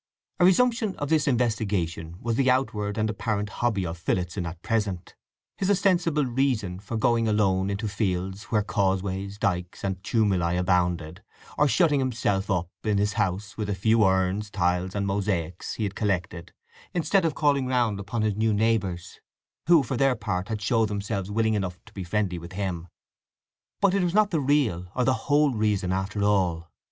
A resumption of this investigation was the outward and apparent hobby of Phillotson at present—his ostensible reason for going alone into fields where causeways, dykes, and tumuli abounded, or shutting himself up in his house with a few urns, tiles, and mosaics he had collected, instead of calling round upon his new neighbours, who for their part had showed themselves willing enough to be friendly with him. But it was not the real, or the whole, reason, after all.